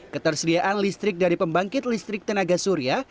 ketersediaan listrik dari pembangkit listrik tenaga surya